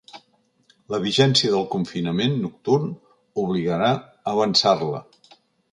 La vigència del confinament nocturn obligarà a avançar-la.